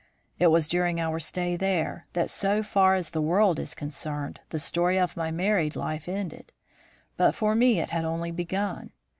It was during our stay there, that, so far as the world is concerned, the story of my married life ended. But for me it had only begun.